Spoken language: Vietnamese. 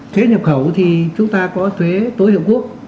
thuế nhập khẩu thì chúng ta có thuế tối hợp quốc